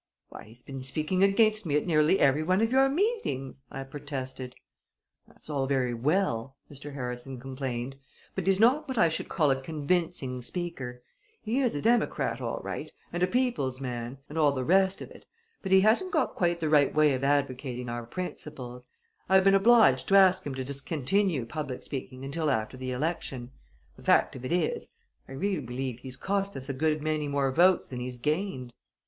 "Why, he's been speaking against me at nearly every one of your meetings!" I protested. "That's all very well," Mr. Harrison complained; "but he's not what I should call a convincing speaker. He is a democrat all right, and a people's man and all the rest of it; but he hasn't got quite the right way of advocating our principles. I have been obliged to ask him to discontinue public speaking until after the election. The fact of it is, I really believe he's cost us a good many more votes than he's gained.